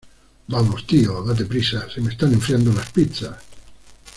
¡ Vamos, tío, date prisa! ¡ se me están enfriando las pizzas!